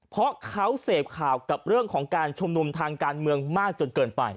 เพราะเขาเสพข่าวกับเรื่องของการชุมนุมทางการเมืองมากจนเกินไป